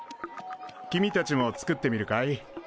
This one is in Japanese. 君たちも作ってみるかい？